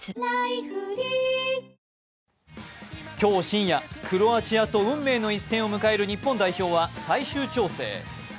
今日深夜、クロアチアと運命の一戦を迎える日本代表は最終調整。